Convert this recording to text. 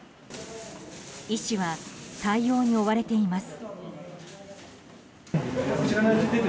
医師は対応に追われています。